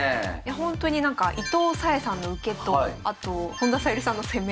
ほんとになんか伊藤沙恵さんの受けとあと本田小百合さんの攻め